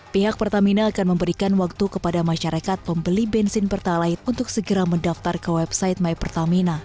pihak pertamina akan memberikan waktu kepada masyarakat pembeli bensin pertalite untuk segera mendaftar ke website my pertamina